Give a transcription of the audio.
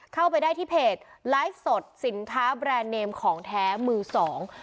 เข้าไปได้ที่เพจไลฟ์สดสินค้าแบรนด์เนมของแท้มือสอง